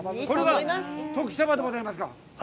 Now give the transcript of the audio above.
これが旬さばでございますか。